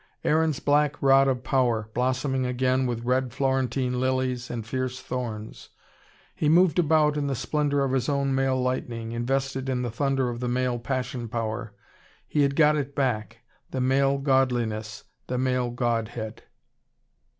Aaron's black rod of power, blossoming again with red Florentine lilies and fierce thorns. He moved about in the splendour of his own male lightning, invested in the thunder of the male passion power. He had got it back, the male godliness, the male godhead.